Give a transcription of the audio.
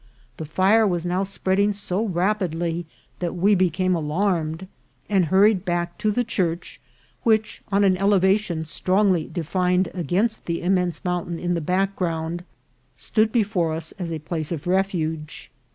The fire was now spreading so rapid ly that we became alarmed, and hurried back to the church, which, on an elevation strongly defined against the immense mountain in the background, stood before us as a place of refuge.